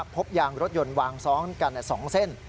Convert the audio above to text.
พบยางรถยนต์วางซ้อนกัน๒เส้น